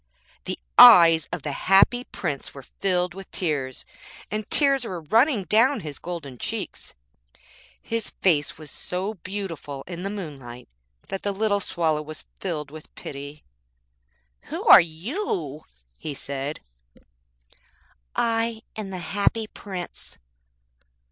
The eyes of the Happy Prince were filled with tears, and tears were running down his golden cheeks. His face was so beautiful in the moonlight that the little Swallow was filled with pity. 'Who are you?' he said. 'I am the Happy Prince.'